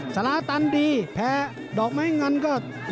สาราตันดีแพ้ดอกไม้เงินก็